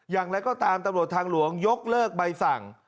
อย่างไรก็ตามตำรวจทางหลวงยกเลิกใบสั่ง